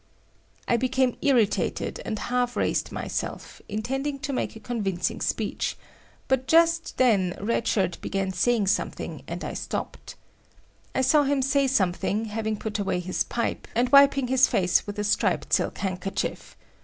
I became irritated, and half raised myself, intending to make a convincing speech, but just then Red Shirt began saying something and I stopped. I saw him say something, having put away his pipe, and wiping his face with a striped silk handkerchief.